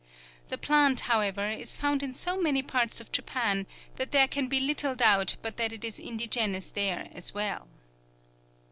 The plant, however, is found in so many parts of Japan that there can be little doubt but what it is indigenous there as well.